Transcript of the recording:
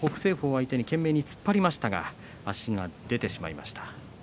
相手に懸命に突っ張りましたが足が出てしまいました。